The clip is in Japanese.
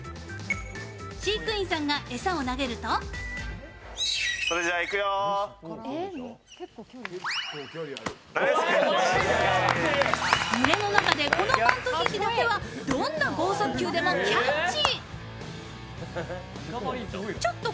飼育員さんが餌を投げると群れの中で、このマントヒヒだけは、どんな剛速球でもキャッチ。